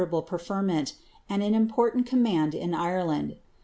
lile pn and an important command in Ireland.